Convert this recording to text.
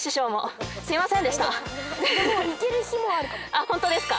あっホントですか。